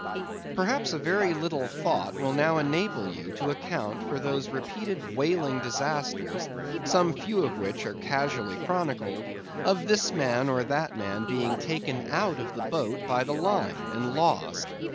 Perhaps a very little thought will now enable you to account for those repeated whaling disasters—some few of which are casually chronicled—of this man or that man being taken out of the boat by the line, and lost.